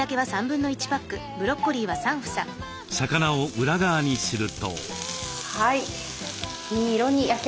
魚を裏側にすると。